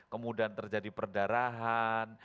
kemudian terjadi perdarahan